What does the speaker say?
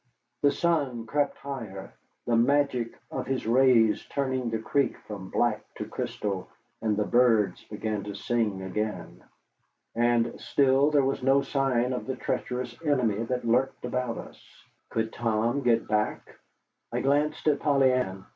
The sun crept higher, the magic of his rays turning the creek from black to crystal, and the birds began to sing again. And still there was no sign of the treacherous enemy that lurked about us. Could Tom get back? I glanced at Polly Ann.